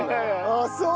あっそう。